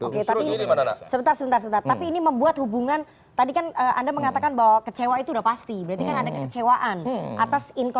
oke tapi sebentar tapi ini membuat hubungan tadi kan anda mengatakan bahwa kecewa itu udah pasti berarti kan ada kecewaan atas inkonsistensi pak jokowi